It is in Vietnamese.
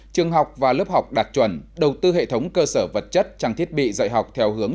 trường học và lớp học đạt chuẩn đầu tư hệ thống cơ sở vật chất trang thiết bị dạy học theo hướng